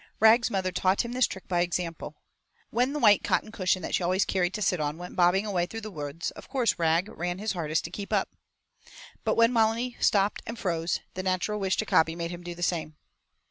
Rag's mother taught him this trick by example. When the white cotton cushion that she always carried to sit on went bobbing away through the woods, of course Rag ran his hardest to keep up. But when Molly stopped and 'froze,' the natural wish to copy made him do the same.